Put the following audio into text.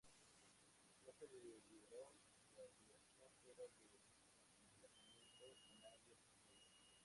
No se liberó radiación fuera del emplazamiento, y nadie resultó herido.